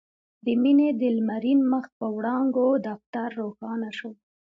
د مينې د لمرين مخ په وړانګو دفتر روښانه شو.